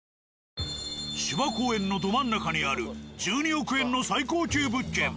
芝公園のど真ん中にある１２億円の最高級物件。